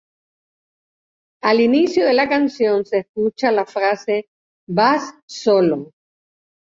Al inicio de la canción se escucha la frase "Bass solo.